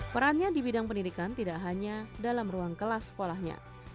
perannya di bidang pendidikan tidak hanya dalam ruang kelas sekolahnya